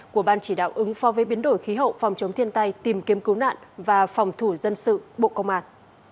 của ban chỉ đạo ứng phó với biến đổi khí hậu phòng chống thiên tai tìm kiếm cứu nạn và phòng thủ dân sự bộ công an